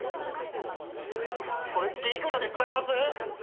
それ月いくらで使えます？